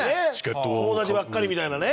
友達ばっかりみたいなね。